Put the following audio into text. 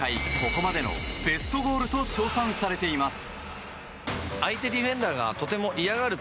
ここまでのベストゴールと称賛されています。